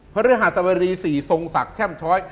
เพื่อเรือหัสบดี๔ทรงศักดิ์แช่มช้อย